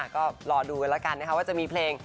ก็รอดูกันแล้วกันนะคะว่าจะมีเพลง